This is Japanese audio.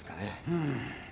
うん。